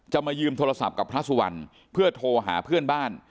มายืมโทรศัพท์กับพระสุวรรณเพื่อโทรหาเพื่อนบ้าน